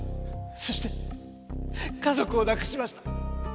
そして家族を亡くしました。